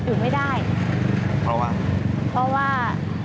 อยู่ไม่ได้เพราะว่าเพราะว่า